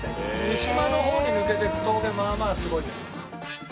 三島の方に抜けていく峠まあまあすごいよ。